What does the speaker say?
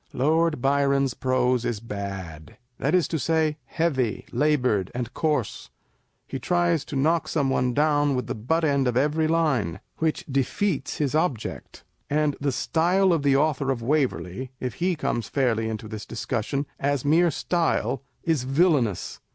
Lord Byron's prose is bad ; that is to say, heavy, laboured, and coarse : he tries to knock some one down with the butt end of every line, which defeats his object â€" and the style of the Author of Waverley (if he comes fairly into this discussion) as mere style is villainous.